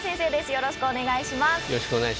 よろしくお願いします。